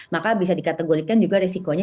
maka bisa dikategorikan juga risikonya